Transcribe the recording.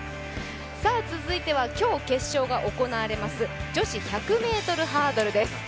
続いては今日決勝が行われます女子１００ｍハードルです。